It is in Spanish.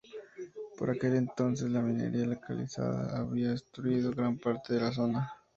Por aquel entonces la minería de caliza había destruido gran parte de la zona.